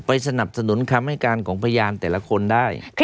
สนับสนุนคำให้การของพยานแต่ละคนได้